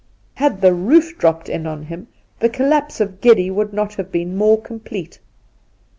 Had the roof dropped in on him the collapse of ^^tdy would not have been more complete.